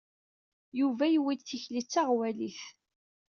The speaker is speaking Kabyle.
Yuba yuwey-d tikli d taɣwalit.